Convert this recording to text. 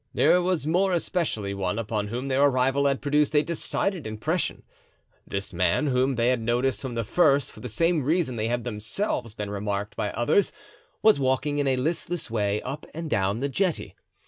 There was more especially one upon whom their arrival had produced a decided impression. This man, whom they had noticed from the first for the same reason they had themselves been remarked by others, was walking in a listless way up and down the jetty.